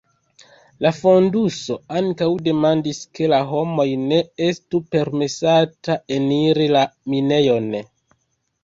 La fonduso ankaŭ demandis ke la homoj ne estu permesata eniri la minejon.